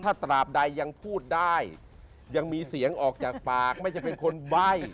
ถ้าตราบใดยังพูดได้ยังมีเสียงออกจากปากไม่ใช่เป็นคนใบ้